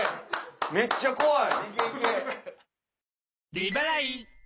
めっちゃ怖い！